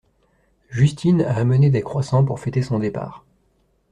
Justine a amené des croissants pour fêter son départ.